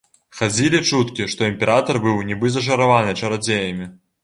Хадзілі чуткі, што імператар быў нібы зачараваны чарадзеямі.